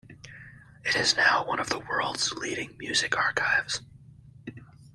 It is now one of the world's leading music archives.